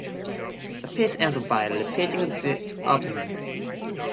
The piece ends by repeating the opening.